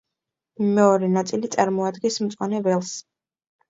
მეორე ნაწილი წარმოადგენს მწვანე ველს.